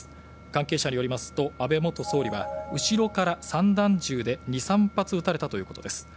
関係者によりますと安倍元総理は後ろから散弾銃で２、３発撃たれたということです。